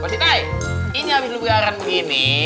pak cintai ini habis lu biaran gini